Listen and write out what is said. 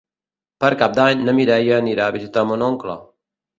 Per Cap d'Any na Mireia anirà a visitar mon oncle.